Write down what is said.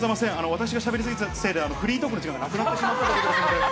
私がしゃべり過ぎたせいでフリートークの時間がなくなってしまったということですので。